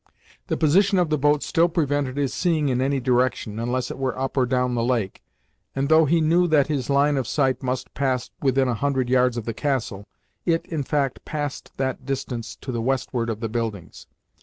The position of the boat still prevented his seeing in any direction, unless it were up or down the lake, and, though he knew that his line of sight must pass within a hundred yards of the castle, it, in fact, passed that distance to the westward of the buildings.